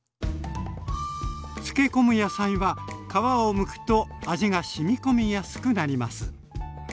漬け込む野菜は皮をむくと味がしみ込みやすくなります。